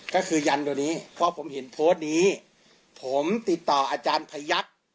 ก็คือยันตัวนี้เพราะผมเห็นโพสต์นี้ผมติดต่ออาจารย์พยักษ์